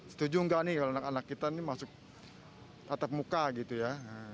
setuju nggak nih kalau anak anak kita ini masuk tatap muka gitu ya